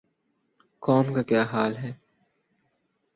قوم کا کیا حال ہے۔